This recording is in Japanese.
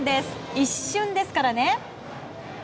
一瞬ですからね。